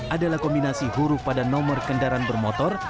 adalah kombinasi huruf pada nomor kendaraan bermotor